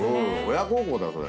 親孝行だよそれ。